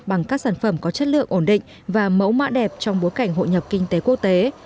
bằng các sản phẩm có chất lượng ổn định và mẫu mạ đẹp trong bối cảnh hội nhập kinh tế quốc tế